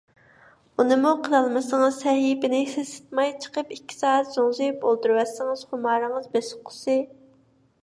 ئۇنىمۇ قىلالمىسىڭىز سەھىپىنى سېسىتماي چىقىپ ئىككى سائەت زوڭزىيىپ ئولتۇرۇۋەتسىڭىز خۇمارىڭىز بېسىققۇسى.